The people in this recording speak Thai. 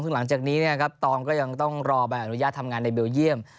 ซึ่งหลังจากนี้ตองก็ยังต้องรอใบอนุญาตทำงานในเบลเยี่ยม